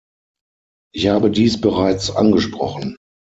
Ich habe dies bereits angesprochen.